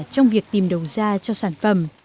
trong việc tìm đầu ra cho sản phẩm